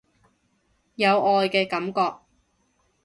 有愛嘅感覺